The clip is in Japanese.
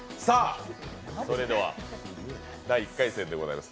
それでは第１回戦でございます。